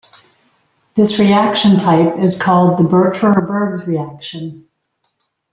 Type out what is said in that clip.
This reaction type is called the Bucherer-Bergs reaction.